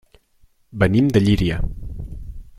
Venim de Llíria.